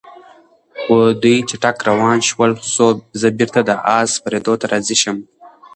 خو دوی چټک روان شول، څو زه بېرته د آس سپرېدو ته راضي شم.